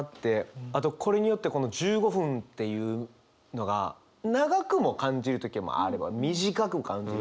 あとこれによってこの１５分っていうのが長くも感じる時もあれば短く感じる時もある。